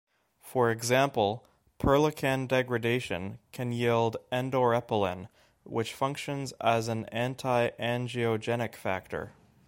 For example, perlecan degradation can yield endorepellin which functions as an anti-angiogenic factor.